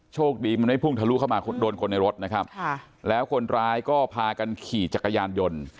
โชคดีมันไม่พุ่งทะลุเข้ามาโดนคนในรถนะครับแล้วคนร้ายก็พากันขี่จักรยานยนต์